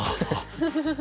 フフフフ。